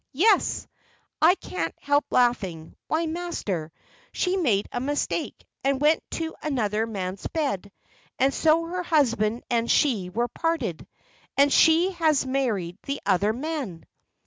yes. I can't help laughing why, master, she made a mistake, and went to another man's bed and so her husband and she were parted and she has married the other man."